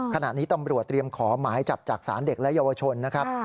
ขณะนี้ตำรวจเตรียมขอหมายจับจากศาลเด็กและเยาวชนนะครับ